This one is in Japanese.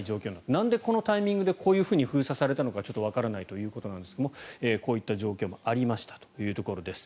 なんでこのタイミングでこういうふうに封鎖されたかはちょっとわからないということですがこういった状況もありましたというところです。